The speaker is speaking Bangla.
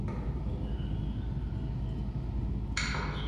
অপহরণের সঙ্গে জড়িত সন্দেহে একজন পুলিশ সদস্যসহ চারজনকে গ্রেপ্তার করা হয়েছে।